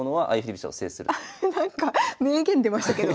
なんか名言出ましたけど。